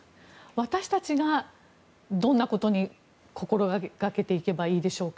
私たちがどんなことを心がけていけばいいでしょうか。